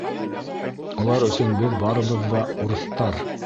Улар өсөн беҙ барыбыҙ ҙа — урыҫтар.